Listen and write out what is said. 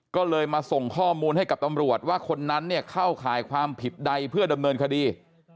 ก็เลยมาส่งข้อมูลให้กับตำรวจว่าคนนั้นเนี่ยเข้าข่ายความผิดใดเพื่อดำเนินคดี